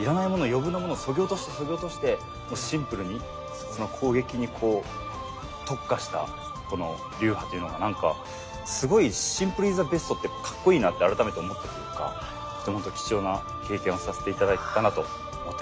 余分なものそぎ落としてそぎ落としてシンプルに攻撃に特化したこの流派というのがなんかすごいシンプル・イズ・ザ・ベストってかっこいいなって改めて思ったというか貴重な経験をさせて頂いたなと思っております。